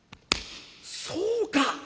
そうか！